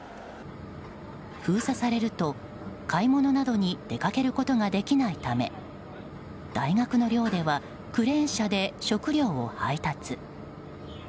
封鎖されると、買い物などに出かけることができないため大学の寮ではクレーン車で食料を配達。